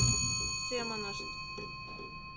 — Семынышт...